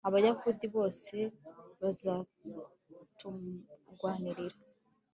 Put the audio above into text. abayahudi bose bazaturwanirira